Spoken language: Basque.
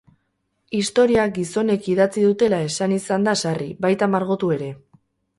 Historia gizonek idatzi dutela esan izan da sarri, baita margotu ere.